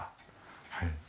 はい。